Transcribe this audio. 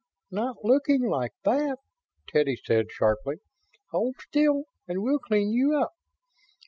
"Not looking like that!" Teddy said, sharply. "Hold still and we'll clean you up."